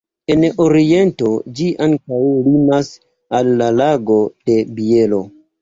En oriento ĝi ankaŭ limas al la Lago de Bielo.